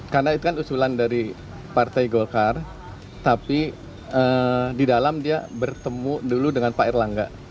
karena itu kan usulan dari partai golkar tapi di dalam dia bertemu dulu dengan pak erlangga